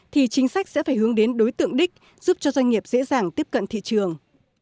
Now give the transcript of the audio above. thì chính sách sẽ phải hướng đến đối tượng đích giúp cho doanh nghiệp dễ dàng tiếp cận thị trường